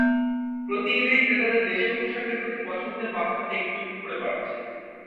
প্রতি ঈদেই ক্রেতাদের দেশীয় পোশাকের প্রতি পছন্দের মাত্রাটা একটু একটু করে বাড়ছে।